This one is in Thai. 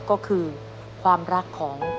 ก็คือความรักของ